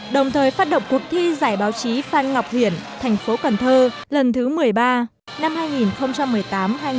đồng thời phát động cuộc thi giải báo chí phan ngọc hiển thành phố cần thơ lần thứ một mươi ba năm hai nghìn một mươi tám hai nghìn một mươi